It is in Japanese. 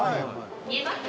見えます？